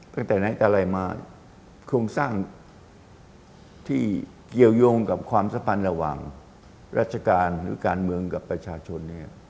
ตั้งแต่ไหนมาโครงสร้างที่เกี่ยวยงกับความสะพานระหว่างรัชกาลหรือการเมืองกับประชาชน